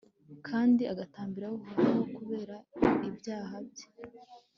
kandi agatakambira uhoraho kubera ibyaha bye